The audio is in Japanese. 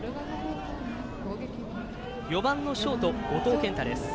４番のショート、後藤健大です。